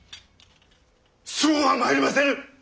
そうはまいりませぬ！